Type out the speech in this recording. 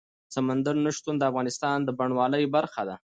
سمندر نه شتون د افغانستان د بڼوالۍ برخه ده.